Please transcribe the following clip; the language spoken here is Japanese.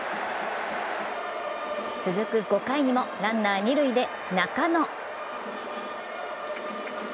続く５回にもランナー、二塁で中野。